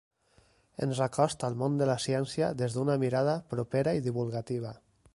Ens acosta al món de la ciència des d'una mirada propera i divulgativa.